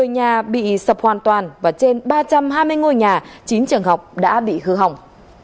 một mươi nhà bị sập hoàn toàn và trên ba trăm hai mươi ngôi nhà chín trường học đã bị hư hỏng